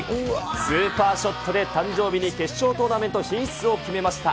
スーパーショットで、誕生日に決勝トーナメント進出を決めました。